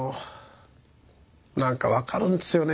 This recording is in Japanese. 何か分かるんですよね